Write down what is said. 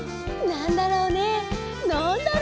なんだろうね？